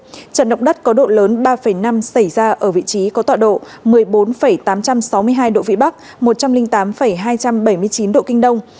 trận động đất có độ lớn ba năm xảy ra ở vị trí có tọa độ một mươi bốn tám trăm sáu mươi hai độ vĩ bắc một trăm linh tám hai trăm bảy mươi chín độ kinh đông